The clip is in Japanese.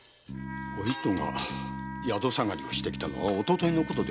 お糸が宿下がりをしてきたのは一昨日のことでございました。